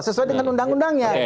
sesuai dengan undang undangnya